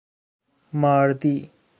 ماردی